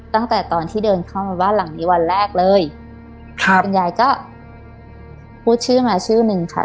ตั้งแต่ตอนที่เดินเข้ามาบ้านหลังนี้วันแรกเลยครับคุณยายก็พูดชื่อมาชื่อหนึ่งค่ะ